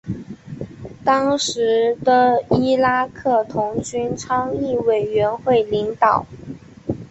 当时的伊拉克童军倡议委员会领导。